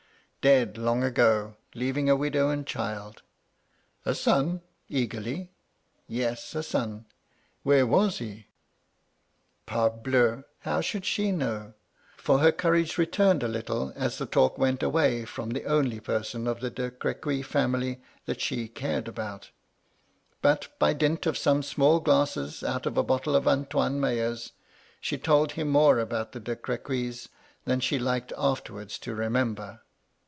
Dead long ago, leaving a widow and child. A son? (eagerly). Yes, a son. Where was he? Parbleu! how should she know? — for her courage returned a little as the talk went away from the only person of the De Crequy family that she cared about But, by dint of some small glasses out of a bottle of Antoine Meyer's, she told him more about the De Crequys than she liked afterwards to remember.